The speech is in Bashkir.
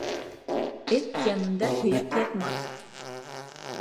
Эт янында һөйәк ятмаҫ.